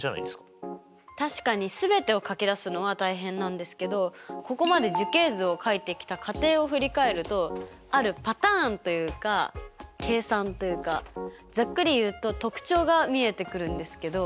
確かに全てを書き出すのは大変なんですけどここまで樹形図を書いてきた過程を振り返るとあるパターンというか計算というかざっくり言うと特徴が見えてくるんですけど。